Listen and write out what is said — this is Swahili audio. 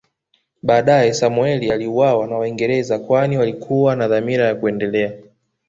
Baadae Samoei aliuawa na Waingereza kwani walikuwa na dhamira ya kuendelea